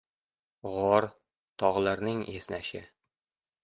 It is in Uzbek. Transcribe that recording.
G‘or — tog‘larning esnashi.